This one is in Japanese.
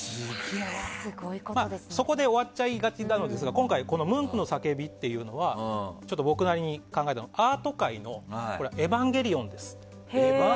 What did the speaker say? そこで終わっちゃいがちなんですが今回ムンクの「叫び」というのは僕なりに考えたものでアート界の「エヴァンゲリオン」です。